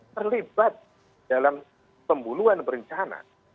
terlibat dalam pembuluhan perencanaan